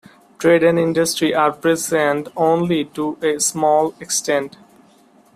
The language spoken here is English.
Trade and industry are present only to a small extent.